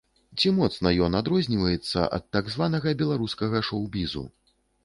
Ці моцна ён адрозніваецца ад так званага беларускага шоў-бізу?